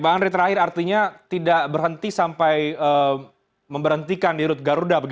pak erick terakhir artinya tidak berhenti sampai memberhentikan dirut garuda